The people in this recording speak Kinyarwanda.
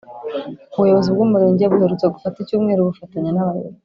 ubuyobozi bw’umurenge buherutse gufata icyumweru bufatanya n’abayobozi